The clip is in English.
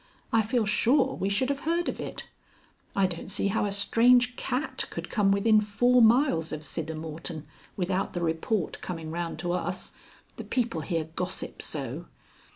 I feel sure we should have heard of it. I don't see how a strange cat could come within four miles of Siddermorton without the report coming round to us. The people here gossip so...."